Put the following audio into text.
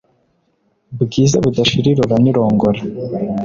Bwiza budashira irora n’irongora